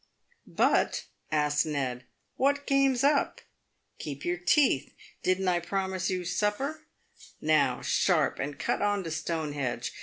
" But," asked Ned, " what game's up ? Keep your teeth. Didn't PAVED WITH GOLD. 285 I promise you supper? Now, sharp, and cut on to Stonehenge.